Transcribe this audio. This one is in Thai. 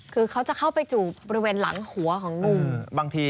คือเค้าจะเข้าไปจูบบริเวณหลังหัวของงู